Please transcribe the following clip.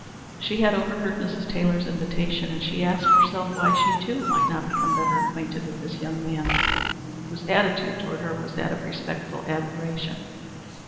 She had overheard Mrs. Taylor's invitation, and she asked herself why she too might not become better acquainted with this young man whose attitude toward her was that of respectful admiration.